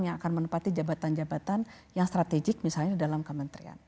yang akan menempati jabatan jabatan yang strategik misalnya dalam kementerian